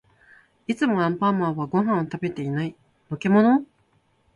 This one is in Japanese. いつもアンパンマンはご飯を食べてない。のけもの？